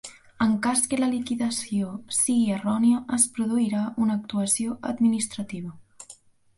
En cas que la liquidació sigui errònia, es produirà una actuació administrativa.